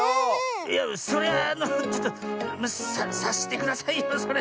いやそれはあのちょっとさっしてくださいよそれ。